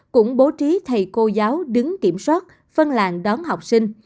cũng bố trí thầy cô giáo đứng kiểm soát phân làng đón học sinh